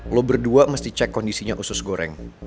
lo berdua mesti cek kondisinya usus goreng